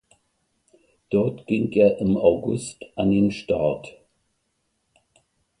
Dort ging er im August an den Start.